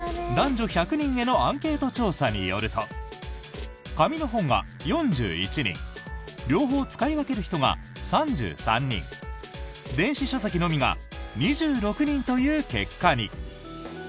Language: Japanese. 今週発表された漫画を読むなら何で読む？という男女１００人へのアンケート調査によると紙の本が４１人両方使い分ける人が３３人電子書籍のみが２６人という結果に。